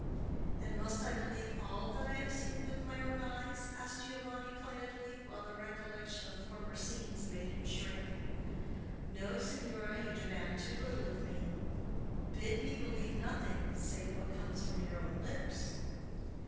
"And must I believe all that I have seen with my own eyes?" asked Giovanni, pointedly, while the recollection of former scenes made him shrink. "No, signora; you demand too little of me. Bid me believe nothing save what comes from your own lips."